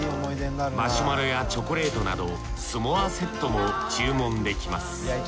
マシュマロやチョコレートなどスモアセットも注文できます。